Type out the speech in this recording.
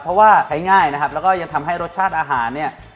เพราะว่าใช้ง่ายนะครับแล้วก็ยังทำให้รสชาติอาหารเนี่ย